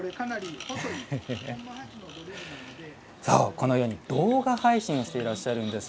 このように動画配信をしていらっしゃるんですよ茂山さん。